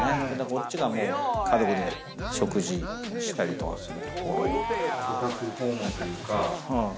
こっちが家族で食事したりとかする。